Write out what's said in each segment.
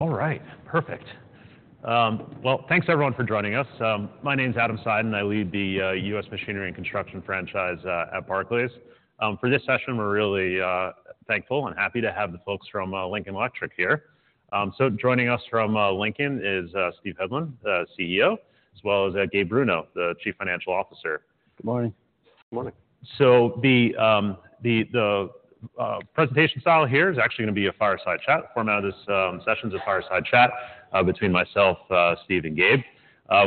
All right, perfect. Well, thanks everyone for joining us. My name's Adam Seiden, and I lead the U.S. Machinery and Construction franchise at Barclays. For this session, we're really thankful and happy to have the folks from Lincoln Electric here. So joining us from Lincoln is Steve Hedlund, CEO, as well as Gabe Bruno, the Chief Financial Officer. Good morning. Good morning. So the presentation style here is actually gonna be a fireside chat, a format of this, sessions of fireside chat, between myself, Steve, and Gabe.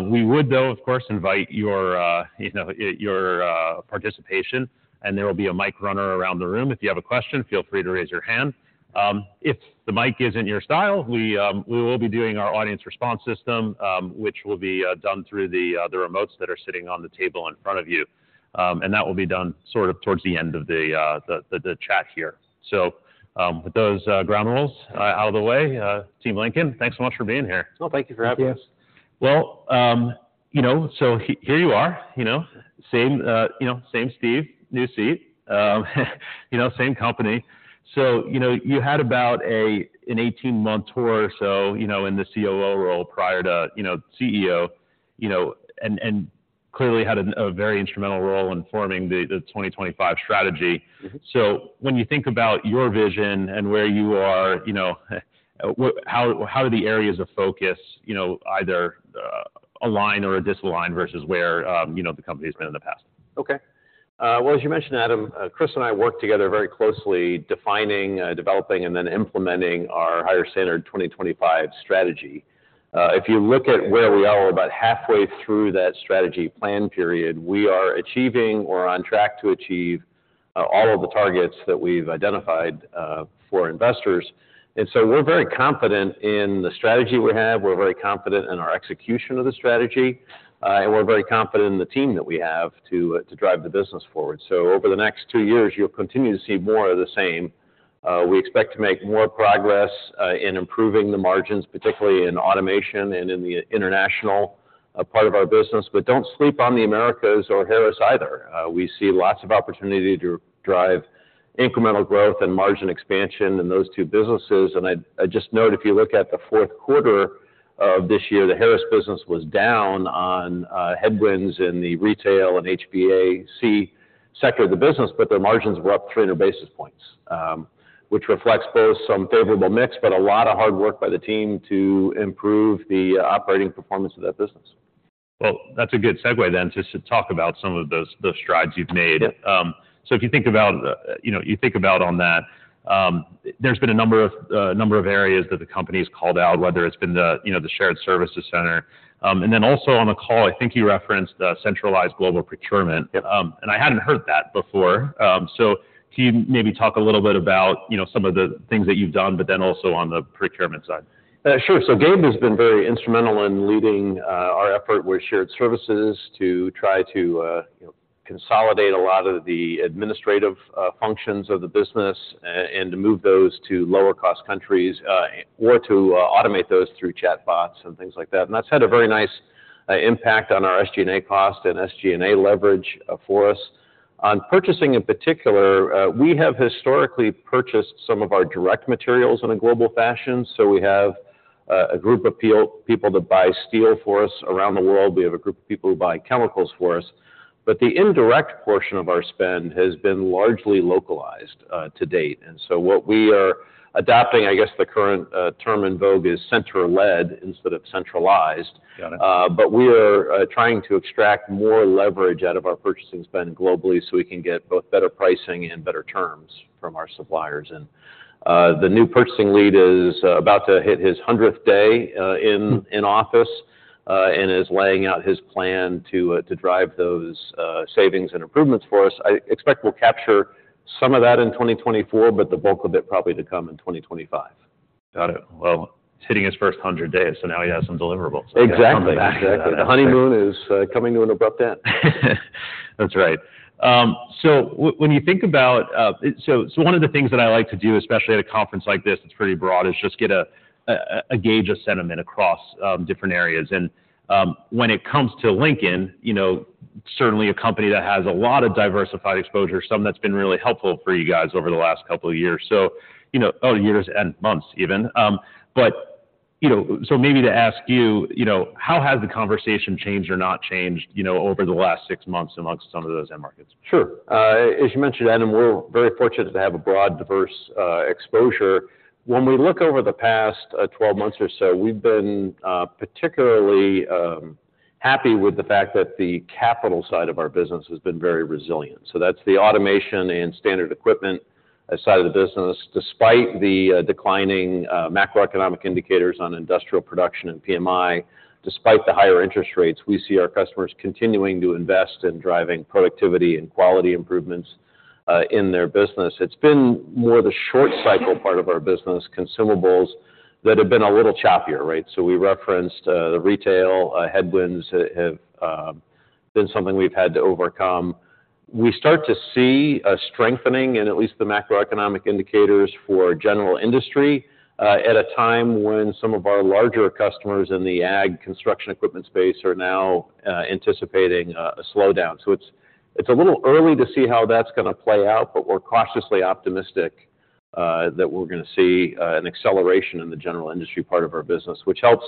We would, though, of course, invite your, you know, participation, and there will be a mic runner around the room. If you have a question, feel free to raise your hand. If the mic isn't your style, we will be doing our audience response system, which will be done through the remotes that are sitting on the table in front of you. And that will be done sort of towards the end of the chat here. So, with those ground rules out of the way, Team Lincoln, thanks so much for being here. Oh, thank you for having us. Thank you. Well, you know, so here you are, you know, same, you know, same Steve, new seat, you know, same company. So, you know, you had about an 18-month tour or so, you know, in the COO role prior to, you know, CEO, you know, and clearly had a very instrumental role in forming the 2025 strategy. So when you think about your vision and where you are, you know, how do the areas of focus, you know, either align or are disaligned versus where, you know, the company's been in the past? Okay. Well, as you mentioned, Adam, Chris and I worked together very closely defining, developing, and then implementing our higher-standard 2025 strategy. If you look at where we are about halfway through that strategy plan period, we are achieving or on track to achieve all of the targets that we've identified for investors. So we're very confident in the strategy we have. We're very confident in our execution of the strategy, and we're very confident in the team that we have to drive the business forward. So over the next two years, you'll continue to see more of the same. We expect to make more progress in improving the margins, particularly in automation and in the international part of our business. But don't sleep on the Americas or Harris either. We see lots of opportunity to drive incremental growth and margin expansion in those two businesses. I just note, if you look at the Q4 of this year, the Harris business was down on headwinds in the retail and HVAC sector of the business, but their margins were up 300 basis points, which reflects both some favorable mix but a lot of hard work by the team to improve the operating performance of that business. Well, that's a good segue then just to talk about some of those, those strides you've made. Yep. So if you think about, you know, you think about on that, there's been a number of, a number of areas that the company's called out, whether it's been the, you know, the shared services center. And then also on the call, I think you referenced centralized global procurement. Yep. I hadn't heard that before. Can you maybe talk a little bit about, you know, some of the things that you've done, but then also on the procurement side? Sure. So Gabe has been very instrumental in leading our effort with shared services to try to, you know, consolidate a lot of the administrative functions of the business, and to move those to lower-cost countries, or to automate those through chatbots and things like that. And that's had a very nice impact on our SG&A cost and SG&A leverage for us. On purchasing in particular, we have historically purchased some of our direct materials in a global fashion. So we have a group of people that buy steel for us around the world. We have a group of people who buy chemicals for us. But the indirect portion of our spend has been largely localized to date. And so what we are adopting, I guess the current term in vogue is center-led instead of centralized. Got it. We are trying to extract more leverage out of our purchasing spend globally so we can get both better pricing and better terms from our suppliers. The new purchasing lead is about to hit his 100th day in office, and is laying out his plan to drive those savings and improvements for us. I expect we'll capture some of that in 2024, but the bulk of it probably to come in 2025. Got it. Well, hitting his first 100 days, so now he has some deliverables. Exactly, exactly. The honeymoon is, coming to an abrupt end. That's right. So when you think about one of the things that I like to do, especially at a conference like this that's pretty broad, is just get a gauge of sentiment across different areas. When it comes to Lincoln, you know, certainly a company that has a lot of diversified exposure, some that's been really helpful for you guys over the last couple of years and months even. But you know, maybe to ask you, you know, how has the conversation changed or not changed, you know, over the last six months among some of those end markets? Sure. As you mentioned, Adam, we're very fortunate to have a broad, diverse exposure. When we look over the past 12 months or so, we've been particularly happy with the fact that the capital side of our business has been very resilient. So that's the automation and standard equipment side of the business. Despite the declining macroeconomic indicators on industrial production and PMI, despite the higher interest rates, we see our customers continuing to invest in driving productivity and quality improvements in their business. It's been more the short-cycle part of our business, consumables, that have been a little choppier, right? So we referenced the retail headwinds have been something we've had to overcome. We start to see a strengthening in at least the macroeconomic indicators for general industry, at a time when some of our larger customers in the ag construction equipment space are now anticipating a slowdown. It's a little early to see how that's gonna play out, but we're cautiously optimistic that we're gonna see an acceleration in the general industry part of our business, which helps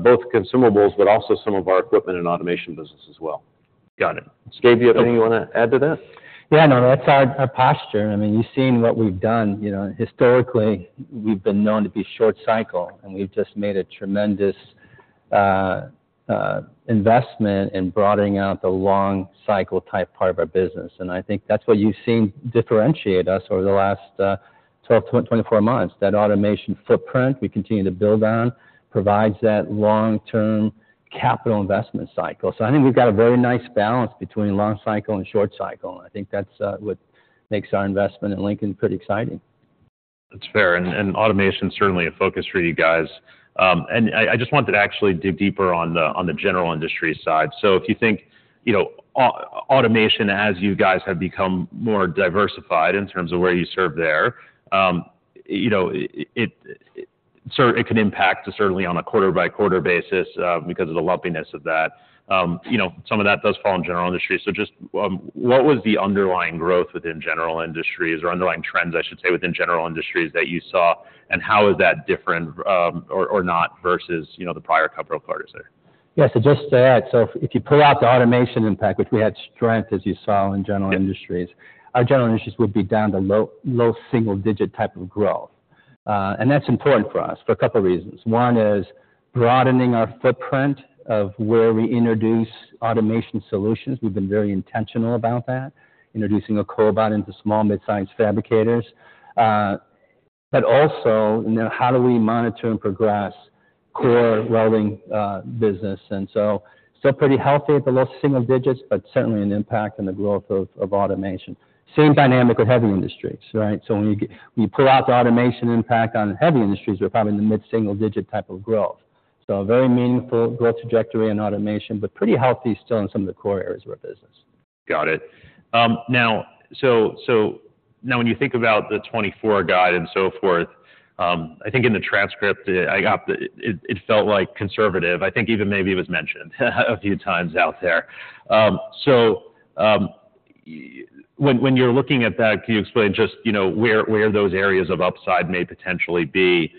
both consumables but also some of our equipment and automation business as well. Got it. Gabe, do you have anything you wanna add to that? Yeah, no, that's our posture. I mean, you've seen what we've done. You know, historically, we've been known to be short-cycle, and we've just made a tremendous investment in broadening out the long-cycle type part of our business. And I think that's what you've seen differentiate us over the last 12-24 months. That automation footprint we continue to build on provides that long-term capital investment cycle. So I think we've got a very nice balance between long-cycle and short-cycle. And I think that's what makes our investment in Lincoln pretty exciting. That's fair. And automation's certainly a focus for you guys. And I just wanted to actually dig deeper on the general industry side. So if you think, you know, automation, as you guys have become more diversified in terms of where you serve there, you know, it certainly can impact on a quarter-by-quarter basis, because of the lumpiness of that. You know, some of that does fall in general industry. So just, what was the underlying growth within general industries or underlying trends, I should say, within general industries that you saw, and how is that different, or not versus, you know, the prior capital quarters there? Yeah, so just to add, so if, if you pull out the automation impact, which we had strength, as you saw, in general industries, our general industries would be down to low, low single-digit type of growth. And that's important for us for a couple of reasons. One is broadening our footprint of where we introduce automation solutions. We've been very intentional about that, introducing a Cobot into small, mid-sized fabricators. But also, you know, how do we monitor and progress core welding business? And so. Still pretty healthy at the low single digits, but certainly an impact on the growth of, of automation. Same dynamic with heavy industries, right? So when you g when you pull out the automation impact on heavy industries, we're probably in the mid-single-digit type of growth. A very meaningful growth trajectory in automation, but pretty healthy still in some of the core areas of our business. Got it. Now, so now when you think about the 2024 guide and so forth, I think in the transcript, I got it, it felt like conservative. I think even maybe it was mentioned a few times out there. So, when you're looking at that, can you explain just, you know, where those areas of upside may potentially be,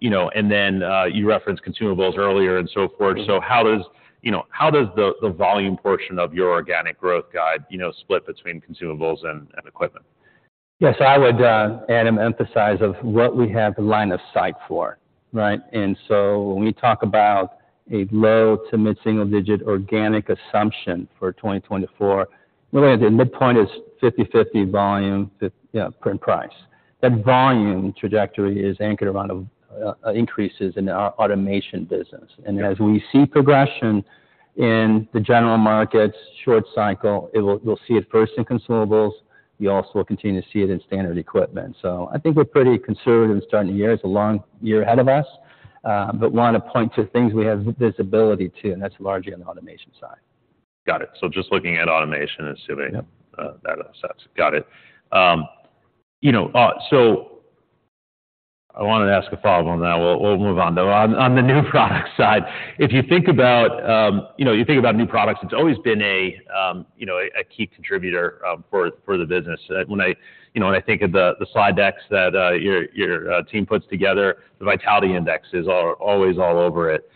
you know? And then, you referenced consumables earlier and so forth. So how does, you know, how does the volume portion of your organic growth guide, you know, split between consumables and equipment? Yeah, so I would, Adam, emphasize what we have in line of sight for, right? And so when we talk about a low- to mid-single-digit organic assumption for 2024, really, the midpoint is 50/50 volume, price. That volume trajectory is anchored around various increases in our automation business. And as we see progression in the general markets, short-cycle, it will. You'll see it first in consumables. You also will continue to see it in standard equipment. So I think we're pretty conservative in starting the year. It's a long year ahead of us, but wanna point to things we have visibility to, and that's largely on the automation side. Got it. So just looking at automation, assuming. Yep. That all sets. Got it. You know, so I wanted to ask a follow-up on that. We'll move on. Though on the new product side, if you think about, you know, you think about new products, it's always been a key contributor for the business. When I, you know, when I think of the slide decks that your team puts together, the Vitality Index is always all over it.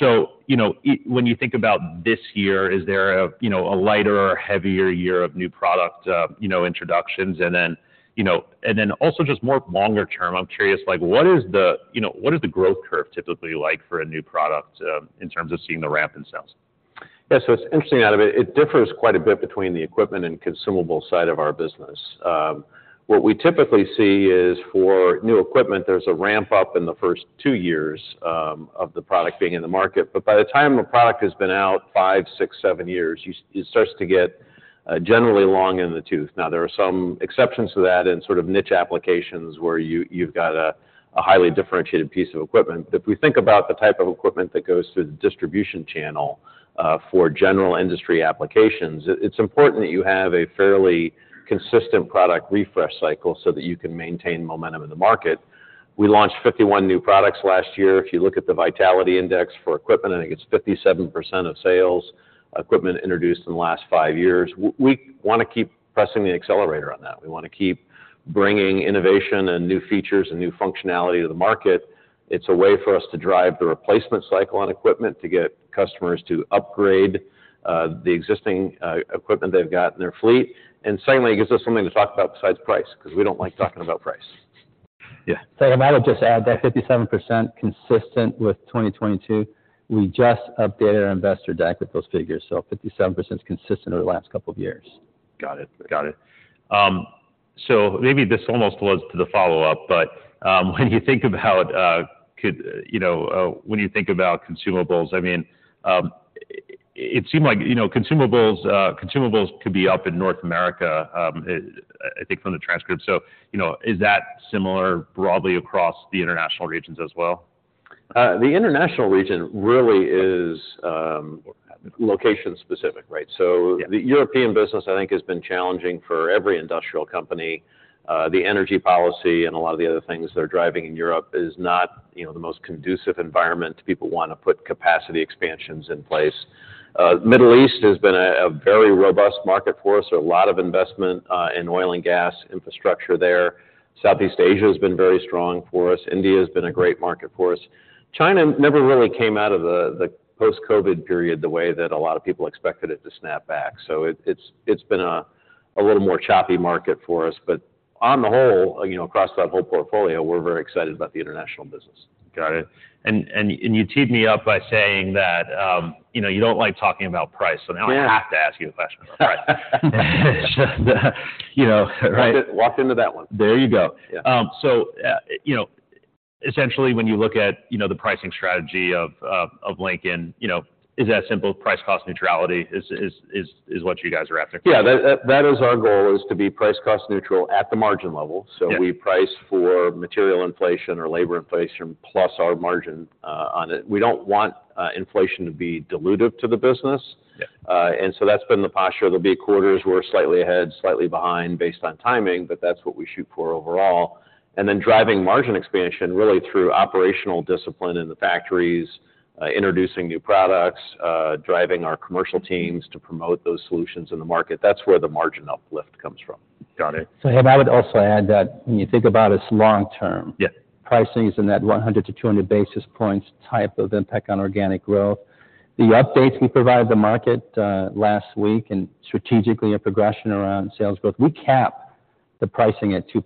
So, you know, when you think about this year, is there a lighter or heavier year of new product introductions? And then also just longer term, I'm curious, like, what is the growth curve typically like for a new product, in terms of seeing the ramp in sales? Yeah, so it's interesting, Adam. It differs quite a bit between the equipment and consumables side of our business. What we typically see is for new equipment, there's a ramp-up in the first two years of the product being in the market. But by the time a product has been out five, six, seven years, you see it starts to get generally long in the tooth. Now, there are some exceptions to that in sort of niche applications where you've got a highly differentiated piece of equipment. But if we think about the type of equipment that goes through the distribution channel for general industry applications, it's important that you have a fairly consistent product refresh cycle so that you can maintain momentum in the market. We launched 51 new products last year. If you look at the Vitality Index for equipment, I think it's 57% of sales, equipment introduced in the last five years. We wanna keep pressing the accelerator on that. We wanna keep bringing innovation and new features and new functionality to the market. It's a way for us to drive the replacement cycle on equipment, to get customers to upgrade the existing equipment they've got in their fleet. And secondly, it gives us something to talk about besides price 'cause we don't like talking about price. Yeah. Adam, I would just add that 57% consistent with 2022. We just updated our investor deck with those figures. So 57%'s consistent over the last couple of years. Got it. Got it. So maybe this almost led to the follow-up, but, when you think about, could, you know, when you think about consumables, I mean, it seemed like, you know, consumables, consumables could be up in North America, I think from the transcript. So, you know, is that similar broadly across the international regions as well? The international region really is location-specific, right? So the European business, I think, has been challenging for every industrial company. The energy policy and a lot of the other things they're driving in Europe is not, you know, the most conducive environment to people wanna put capacity expansions in place. Middle East has been a very robust market for us. There's a lot of investment in oil and gas infrastructure there. Southeast Asia's been very strong for us. India's been a great market for us. China never really came out of the post-COVID period the way that a lot of people expected it to snap back. So it's been a little more choppy market for us. But on the whole, you know, across that whole portfolio, we're very excited about the international business. Got it. And you teed me up by saying that, you know, you don't like talking about price. So now I have to ask you a question about price. It's just, you know, right? Walked in walked into that one. There you go. So, you know, essentially, when you look at, you know, the pricing strategy of Lincoln, you know, is that simple? Price-cost neutrality is what you guys are after? Yeah, that is our goal, is to be price-cost neutral at the margin level. So we price for material inflation or labor inflation plus our margin on it. We don't want inflation to be dilutive to the business, and so that's been the posture. There'll be quarters we're slightly ahead, slightly behind based on timing, but that's what we shoot for overall. And then driving margin expansion really through operational discipline in the factories, introducing new products, driving our commercial teams to promote those solutions in the market. That's where the margin uplift comes from. Got it. Adam, I would also add that when you think about us long-term. Yeah. Pricing is in that 100-200 basis points type of impact on organic growth. The updates we provided the market last week, and strategically our progression around sales growth, we cap the pricing at 2%,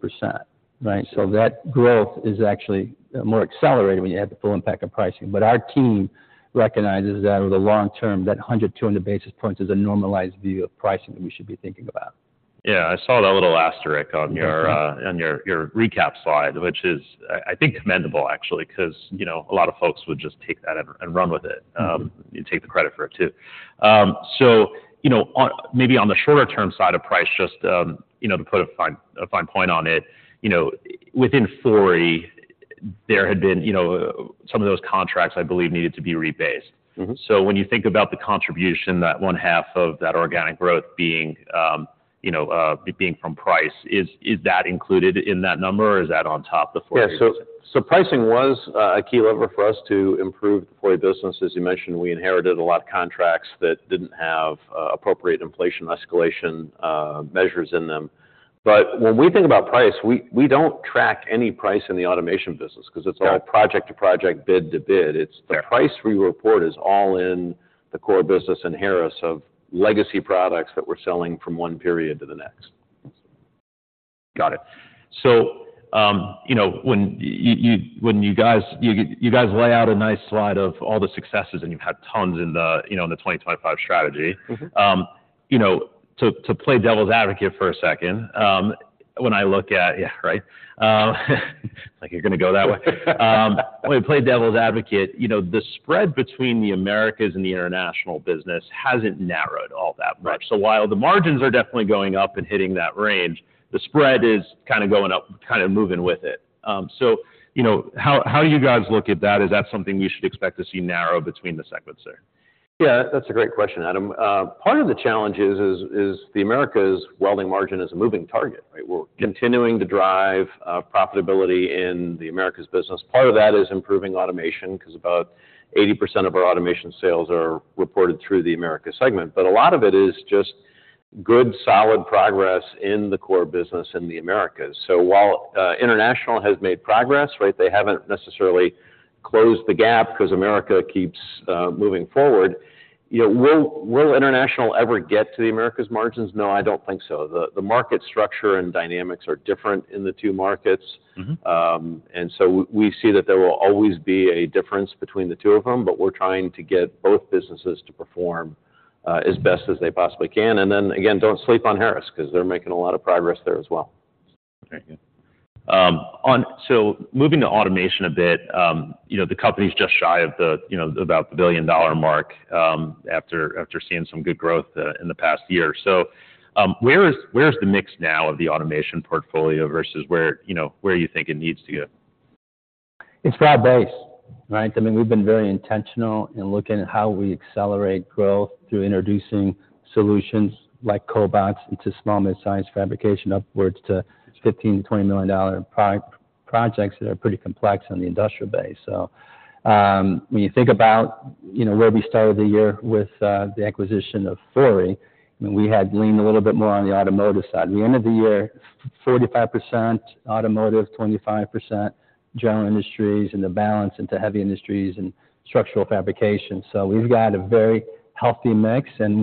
right? So that growth is actually more accelerated when you add the full impact of pricing. But our team recognizes that over the long term, that 100-200 basis points is a normalized view of pricing that we should be thinking about. Yeah, I saw that little asterisk on your recap slide, which is, I think commendable actually 'cause, you know, a lot of folks would just take that and run with it. You take the credit for it too. So, you know, on maybe the shorter-term side of price, just, you know, to put a fine point on it, you know, within Fori, there had been, you know, some of those contracts, I believe, needed to be rebased. So when you think about the contribution, that 50% of that organic growth being, you know, being from price, is that included in that number, or is that on top of the Fori pricing? Yeah, so pricing was a key lever for us to improve the Fori business. As you mentioned, we inherited a lot of contracts that didn't have appropriate inflation escalation measures in them. But when we think about price, we don't track any price in the automation business 'cause it's all project to project, bid to bid. It's the price we report is all in the core business inherently of legacy products that we're selling from one period to the next. Got it. So, you know, when you guys lay out a nice slide of all the successes, and you've had tons in the, you know, in the 2025 strategy. You know, to play devil's advocate for a second, when I look at yeah, right? It's like you're gonna go that way. When we play devil's advocate, you know, the spread between the Americas and the international business hasn't narrowed all that much. So while the margins are definitely going up and hitting that range, the spread is kinda going up, kinda moving with it. So, you know, how do you guys look at that? Is that something we should expect to see narrow between the segments, sir? Yeah, that's a great question, Adam. Part of the challenge is the Americas welding margin is a moving target, right? We're continuing to drive profitability in the Americas business. Part of that is improving automation 'cause about 80% of our automation sales are reported through the Americas segment. But a lot of it is just good, solid progress in the core business in the Americas. So while International has made progress, right, they haven't necessarily closed the gap 'cause Americas keeps moving forward, you know. Will International ever get to the Americas margins? No, I don't think so. The market structure and dynamics are different in the two markets. And so we see that there will always be a difference between the two of them, but we're trying to get both businesses to perform as best as they possibly can. And then again, don't sleep on Harris 'cause they're making a lot of progress there as well. Okay. Yeah. And so moving to automation a bit, you know, the company's just shy of, you know, about the billion-dollar mark, after seeing some good growth in the past year. So, where is the mix now of the automation portfolio versus where, you know, where you think it needs to go? It's broad-based, right? I mean, we've been very intentional in looking at how we accelerate growth through introducing solutions like cobots into small, mid-sized fabrication upwards to $15-$20 million pro-projects that are pretty complex on the industrial base. So, when you think about, you know, where we started the year with, the acquisition of Fori, I mean, we had leaned a little bit more on the automotive side. We ended the year 45% automotive, 25% general industries, and the balance into heavy industries and structural fabrication. So we've got a very healthy mix, and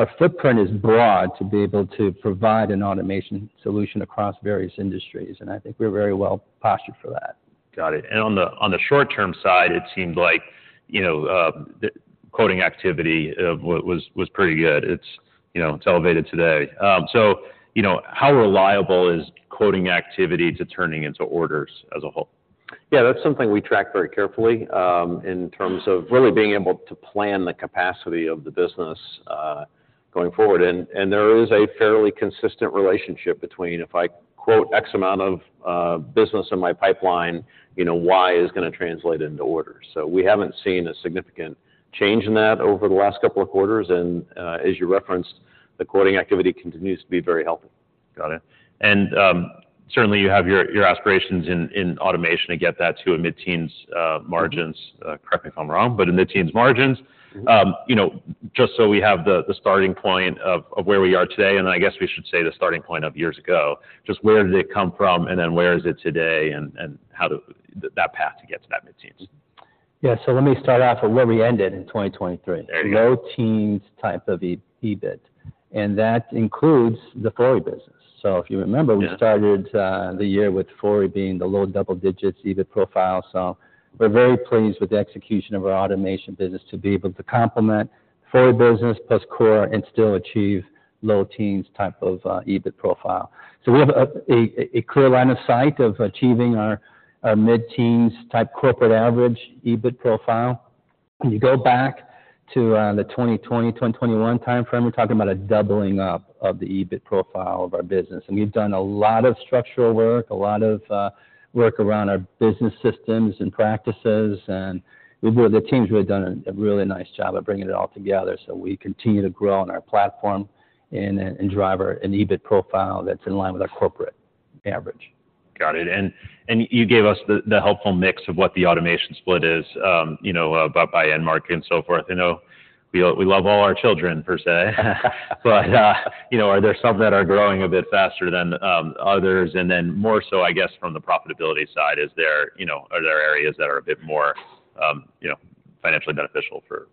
our footprint is broad to be able to provide an automation solution across various industries. And I think we're very well postured for that. Got it. And on the short-term side, it seemed like, you know, the quoting activity was pretty good. It's, you know, it's elevated today. So, you know, how reliable is quoting activity to turning into orders as a whole? Yeah, that's something we track very carefully, in terms of really being able to plan the capacity of the business, going forward. And there is a fairly consistent relationship between if I quote X amount of business in my pipeline, you know, Y is gonna translate into orders. So we haven't seen a significant change in that over the last couple of quarters. And, as you referenced, the quoting activity continues to be very healthy. Got it. And certainly, you have your aspirations in automation to get that to mid-teens margins. Correct me if I'm wrong, but mid-teens margins. You know, just so we have the starting point of where we are today and then I guess we should say the starting point of years ago, just where did it come from, and then where is it today, and how to that path to get to that mid-teens. Yeah, so let me start off with where we ended in 2023. There you go. Low-teens type of EBIT. And that includes the Fori business. So if you remember, we started the year with Fori being the low double-digits EBIT profile. So we're very pleased with the execution of our automation business to be able to complement Fori business plus core and still achieve low-teens type of EBIT profile. So we have a clear line of sight of achieving our mid-teens type corporate average EBIT profile. When you go back to the 2020, 2021 time frame, we're talking about a doubling up of the EBIT profile of our business. And we've done a lot of structural work, a lot of work around our business systems and practices. We have the teams really done a really nice job of bringing it all together, so we continue to grow on our platform and drive our EBIT profile that's in line with our corporate average. Got it. And you gave us the helpful mix of what the automation split is, you know, by end market and so forth. I know we love all our children, per se. But, you know, are there some that are growing a bit faster than others? And then more so, I guess, from the profitability side, is there, you know, are there areas that are a bit more, you know, financially beneficial for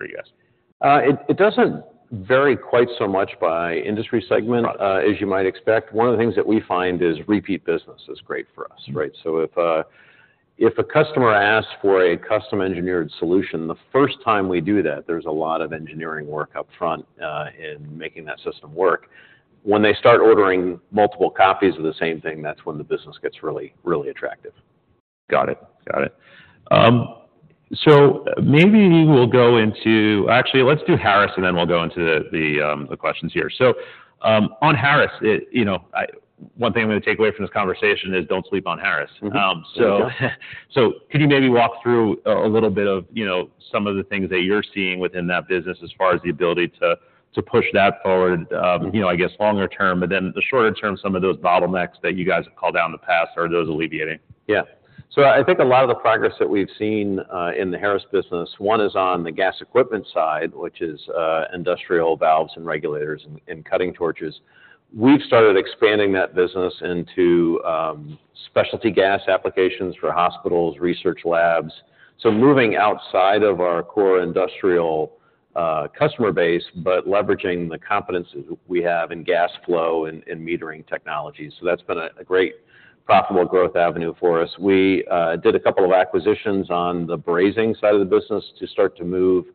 you guys? It, it doesn't vary quite so much by industry segment. Right. As you might expect. One of the things that we find is repeat business is great for us, right? So if a customer asks for a custom-engineered solution, the first time we do that, there's a lot of engineering work up front, in making that system work. When they start ordering multiple copies of the same thing, that's when the business gets really, really attractive. Got it. Got it. So maybe we'll go into actually, let's do Harris, and then we'll go into the, the, the questions here. So, on Harris, I, you know, I one thing I'm gonna take away from this conversation is don't sleep on Harris. So, could you maybe walk through a little bit of, you know, some of the things that you're seeing within that business as far as the ability to push that forward, you know, I guess, longer term, but then the shorter term, some of those bottlenecks that you guys have called out in the past; are those alleviating? Yeah. So I think a lot of the progress that we've seen in the Harris business, one is on the gas equipment side, which is industrial valves and regulators and cutting torches. We've started expanding that business into specialty gas applications for hospitals, research labs. So moving outside of our core industrial customer base but leveraging the competencies we have in gas flow and metering technologies. So that's been a great profitable growth avenue for us. We did a couple of acquisitions on the brazing side of the business to start to move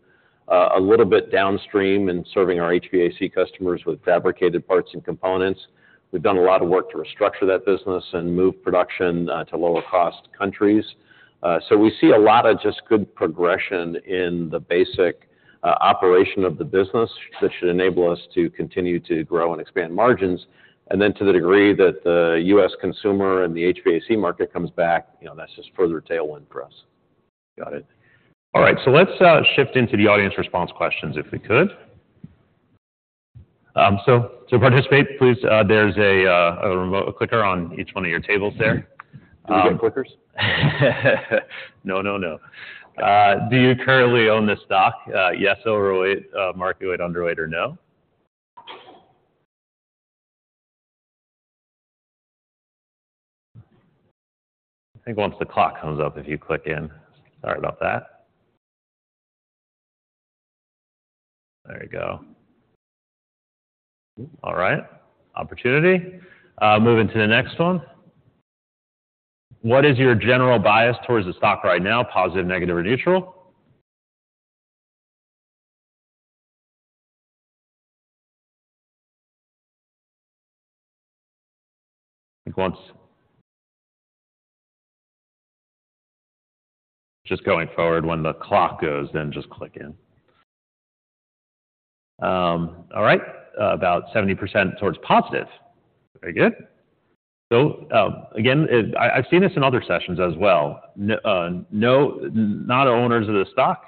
a little bit downstream in serving our HVAC customers with fabricated parts and components. We've done a lot of work to restructure that business and move production to lower-cost countries. We see a lot of just good progression in the basic operation of the business that should enable us to continue to grow and expand margins. Then to the degree that the U.S. consumer and the HVAC market comes back, you know, that's just further tailwind for us. Got it. All right. So let's shift into the audience response questions if we could. So to participate, please, there's a remote clicker on each one of your tables there. Do you get clickers? No, no, no. Do you currently own this stock? Yes, overweight, market weight, underweight, or no? I think once the clock comes up, if you click in. Sorry about that. There you go. All right. Opportunity. Moving to the next one. What is your general bias towards the stock right now? Positive, negative, or neutral? I think once just going forward, when the clock goes, then just click in. All right. About 70% towards positive. Very good. So, again, I've seen this in other sessions as well. Not owners of the stock,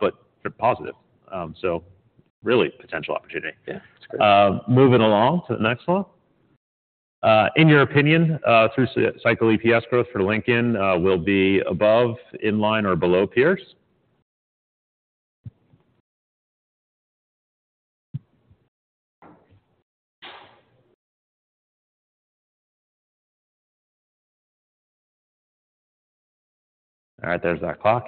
but for positive. So really potential opportunity. Yeah. It's great. Moving along to the next one. In your opinion, through-the-cycle EPS growth for Lincoln, will be above, in line, or below peers? All right. There's that clock.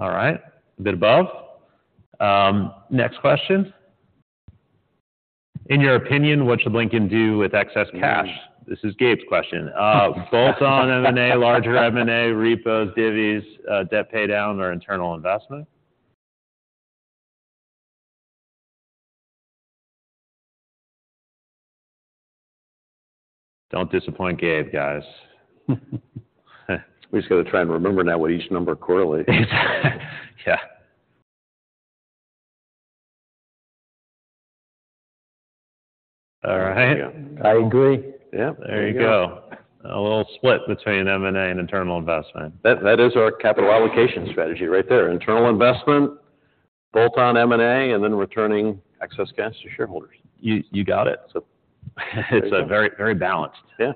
All right. A bit above. Next question. In your opinion, what should Lincoln do with excess cash? This is Gabe's question. Bolt-on M&A, larger M&A, repos, divvies, debt paydown, or internal investment? Don't disappoint Gabe, guys. We just gotta try and remember now what each number quarterly is. Yeah. All right. I agree. Yep. There you go. A little split between M&A and internal investment. That, that is our capital allocation strategy right there. Internal investment, bolt-on M&A, and then returning excess cash to shareholders. You got it. It's a very, very balanced. Yeah.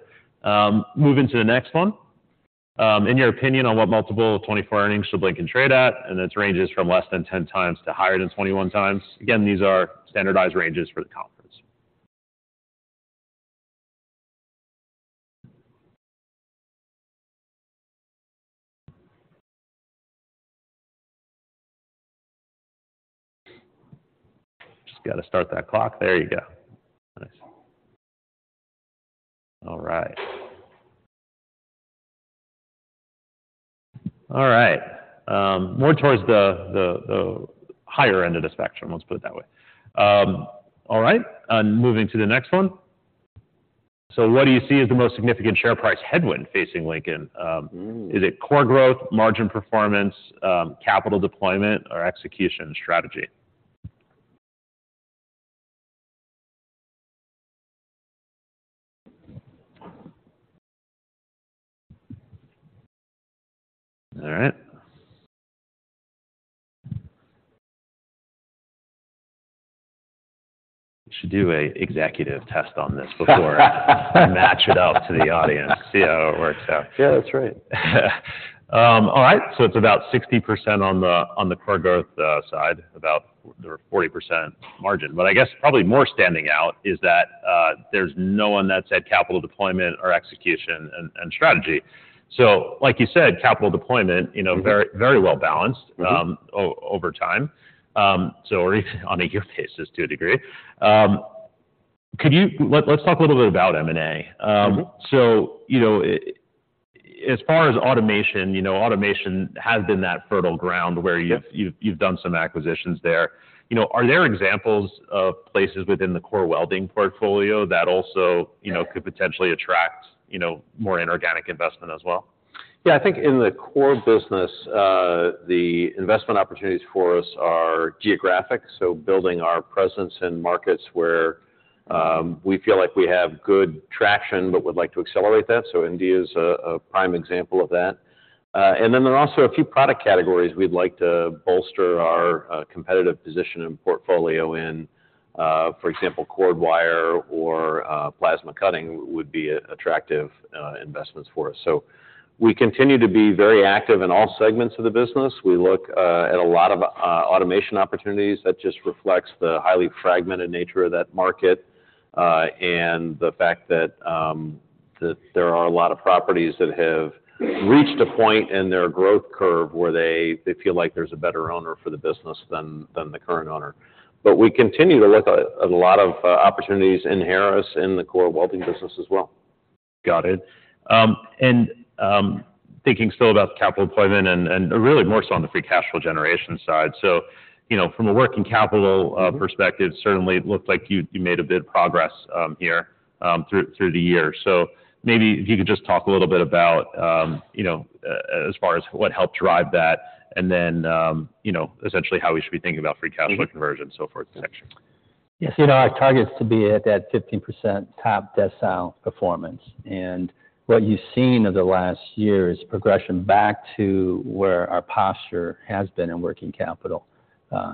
Moving to the next one. In your opinion, on what multiple of 2024 earnings should Lincoln trade at? And it ranges from less than 10x to higher than 21x. Again, these are standardized ranges for the conference. Just gotta start that clock. There you go. Nice. All right. All right. More towards the, the, the higher end of the spectrum. Let's put it that way. All right. Moving to the next one. So what do you see as the most significant share price headwind facing Lincoln? Is it core growth, margin performance, capital deployment, or execution strategy? All right. We should do an executive test on this before I match it up to the audience, see how it works out. Yeah, that's right. All right. So it's about 60% on the core growth side, about 40% margin. But I guess probably more standing out is that, there's no one that's at capital deployment or execution and strategy. So like you said, capital deployment, you know, very, very well balanced. Over time. So, or even on a year basis, to a degree. Let's talk a little bit about M&A. So, you know, as far as automation, you know, automation has been that fertile ground where you've. You've done some acquisitions there. You know, are there examples of places within the core welding portfolio that also, you know, could potentially attract, you know, more inorganic investment as well? Yeah, I think in the core business, the investment opportunities for us are geographic. So building our presence in markets where we feel like we have good traction but would like to accelerate that. So India's a prime example of that. And then there are also a few product categories we'd like to bolster our competitive position in portfolio in. For example, cored wire or plasma cutting would be attractive investments for us. So we continue to be very active in all segments of the business. We look at a lot of automation opportunities. That just reflects the highly fragmented nature of that market, and the fact that there are a lot of properties that have reached a point in their growth curve where they feel like there's a better owner for the business than the current owner. But we continue to look at a lot of opportunities in Harris in the core welding business as well. Got it. And thinking still about capital deployment and really more so on the free cash flow generation side. So, you know, from a working capital perspective, certainly it looked like you made a bit of progress here through the year. So maybe if you could just talk a little bit about, you know, as far as what helped drive that and then, you know, essentially how we should be thinking about free cash flow. Yeah. Conversion and so forth section. Yes. You know, our target's to be at that 15% top decile performance. And what you've seen over the last year is progression back to where our posture has been in working capital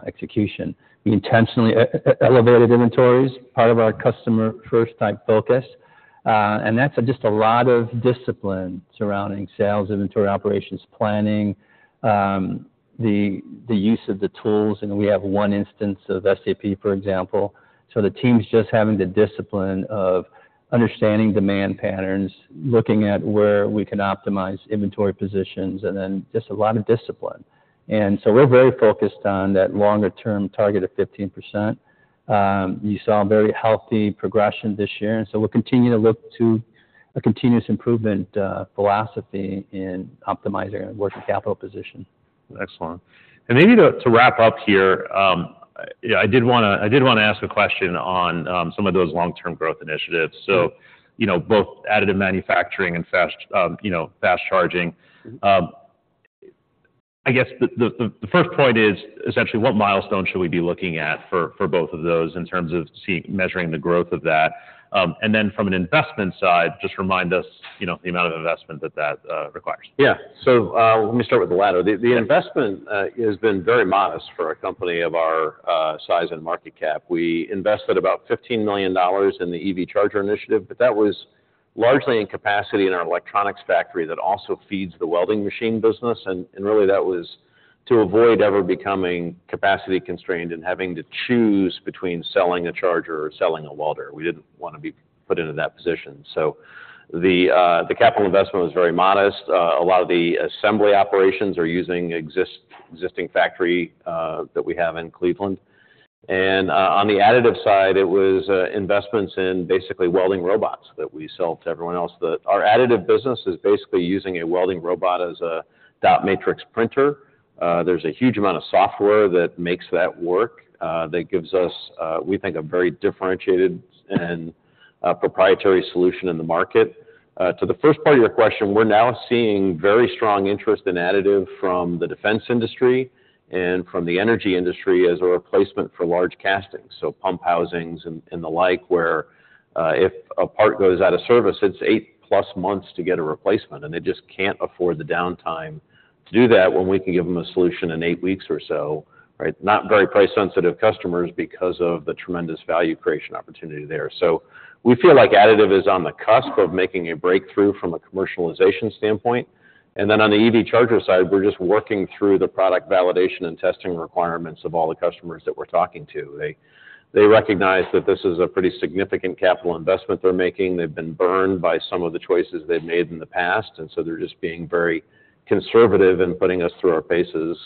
execution. We intentionally elevated inventories, part of our customer-first type focus. And that's just a lot of discipline surrounding sales, inventory operations, planning, the use of the tools. You know, we have one instance of SAP, for example. So the team's just having the discipline of understanding demand patterns, looking at where we can optimize inventory positions, and then just a lot of discipline. And so we're very focused on that longer-term target of 15%. You saw a very healthy progression this year. And so we'll continue to look to a continuous improvement philosophy in optimizing our working capital position. Excellent. Maybe to wrap up here, I did wanna ask a question on some of those long-term growth initiatives. So. You know, both additive manufacturing and fast, you know, fast charging. I guess the first point is essentially, what milestone should we be looking at for both of those in terms of seeing measuring the growth of that? And then from an investment side, just remind us, you know, the amount of investment that requires. Yeah. So, let me start with the latter. The investment has been very modest for a company of our size and market cap. We invested about $15 million in the EV charger initiative, but that was largely in capacity in our electronics factory that also feeds the welding machine business. And really, that was to avoid ever becoming capacity constrained and having to choose between selling a charger or selling a welder. We didn't wanna be put into that position. So the capital investment was very modest. A lot of the assembly operations are using existing factory that we have in Cleveland. And on the additive side, it was investments in basically welding robots that we sell to everyone else. Our additive business is basically using a welding robot as a dot matrix printer. There's a huge amount of software that makes that work. That gives us, we think, a very differentiated and proprietary solution in the market. To the first part of your question, we're now seeing very strong interest in additive from the defense industry and from the energy industry as a replacement for large castings. So pump housings and the like where, if a part goes out of service, it's 8+ months to get a replacement. And they just can't afford the downtime to do that when we can give them a solution in 8 weeks or so, right? Not very price-sensitive customers because of the tremendous value creation opportunity there. So we feel like additive is on the cusp of making a breakthrough from a commercialization standpoint. And then on the EV charger side, we're just working through the product validation and testing requirements of all the customers that we're talking to. They, they recognize that this is a pretty significant capital investment they're making. They've been burned by some of the choices they've made in the past. They're just being very conservative in putting us through our paces,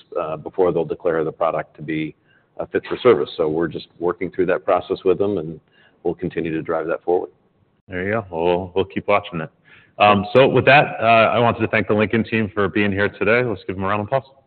before they'll declare the product to be a fit for service. We're just working through that process with them, and we'll continue to drive that forward. There you go. We'll, we'll keep watching it. So with that, I wanted to thank the Lincoln team for being here today. Let's give them a round of applause. All right.